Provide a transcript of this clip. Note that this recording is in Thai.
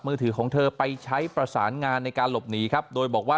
มือถือของเธอไปใช้ประสานงานในการหลบหนีครับโดยบอกว่า